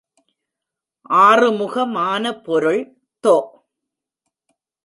ஆறுமுகமான பொருள் தொ.